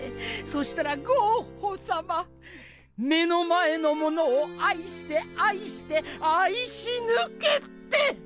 そしたらゴッホさま「目の前のものを愛して愛して愛しぬけ」って！